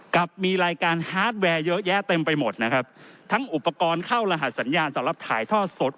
กับมีรายการฮาร์ดแวร์เยอะแยะเต็มไปหมดนะครับทั้งอุปกรณ์เข้ารหัสสัญญาณสำหรับถ่ายทอดสด